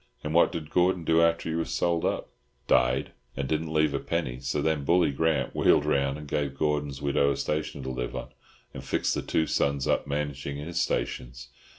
"And what did Gordon do after he was sold up?" "Died, and didn't leave a penny. So then Bully Grant wheeled round and gave Gordon's widow a station to live on, and fixed the two sons up managing his stations.